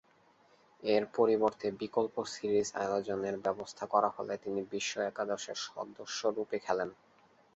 এর পরিবর্তে বিকল্প সিরিজ আয়োজনের ব্যবস্থা করা হলে তিনি বিশ্ব একাদশের সদস্যরূপে খেলেন।